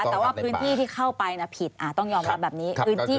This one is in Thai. แต่ว่าพื้นที่ที่เข้าไปผิดต้องยอมรับแบบนี้